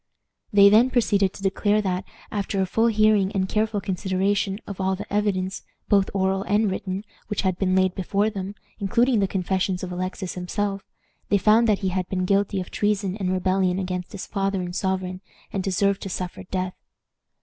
They then proceeded to declare that, after a full hearing and careful consideration of all the evidence, both oral and written, which had been laid before them, including the confessions of Alexis himself, they found that he had been guilty of treason and rebellion against his father and sovereign, and deserved to suffer death.